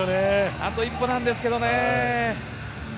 あと一歩なんですけどね。